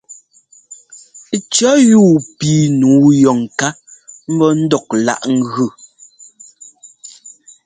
Cɔ̌ yúu píi nǔu yɔ ŋká ḿbɔ́ ńdɔk láꞌ ŋ́gʉ.